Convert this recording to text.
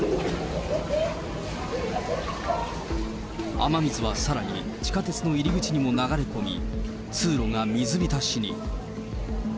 雨水はさらに地下鉄の入り口にも流れ込み、通路が水浸しに。